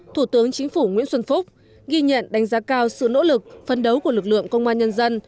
thủ tướng chính phủ nguyễn xuân phúc ghi nhận đánh giá cao sự nỗ lực phấn đấu của lực lượng công an nhân dân